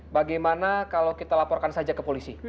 bagaimana kalau kita laporkan saja ke polisi